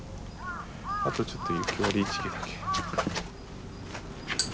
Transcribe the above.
あとちょっと雪割一華だけ。